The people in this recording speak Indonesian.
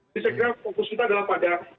jadi saya kira fokus kita adalah pada